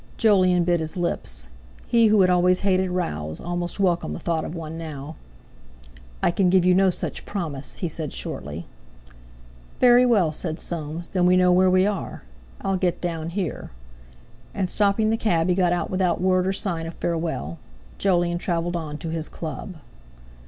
Jolyon bit his lips; he who had always hated rows almost welcomed the thought of one now. "I can give you no such promise," he said shortly. "Very well," said Soames, "then we know where we are. I'll get down here." And stopping the cab he got out without word or sign of farewell. Jolyon travelled on to his Club.